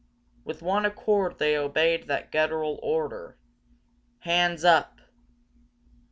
With one accord they obeyed that guttural order, "Hands oop!"